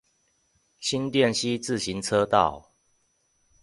新店溪自行車道